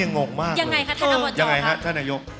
อย่างไรครับท่านอบจท่านอยก